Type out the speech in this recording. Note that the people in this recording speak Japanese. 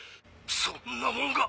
そんなもんが。